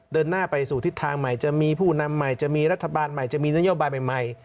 เดินหน้าไปสู่ทิศทางใหม่จะมีผู้นำใหม่จะมีรัฐบาลใหม่จะมีนโยบายใหม่